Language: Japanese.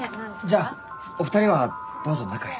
じゃあお二人はどうぞ中へ。